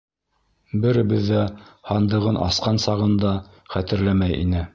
Беребеҙ ҙә һандығын асҡан сағын да хәтерләмәй ине.